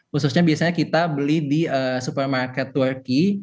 khususnya biasanya kita beli di supermarket turki